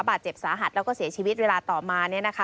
บาดเจ็บสาหัสแล้วก็เสียชีวิตเวลาต่อมา